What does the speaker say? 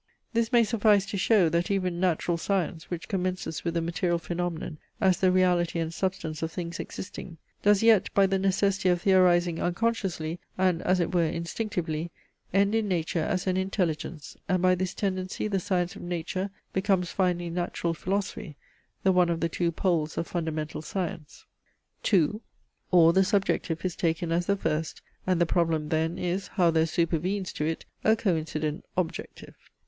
This may suffice to show, that even natural science, which commences with the material phaenomenon as the reality and substance of things existing, does yet by the necessity of theorizing unconsciously, and as it were instinctively, end in nature as an intelligence; and by this tendency the science of nature becomes finally natural philosophy, the one of the two poles of fundamental science. 2. OR THE SUBJECTIVE IS TAKEN AS THE FIRST, AND THE PROBLEM THEN IS, HOW THERE SUPERVENES TO IT A COINCIDENT OBJECTIVE.